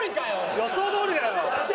予想どおりだよ。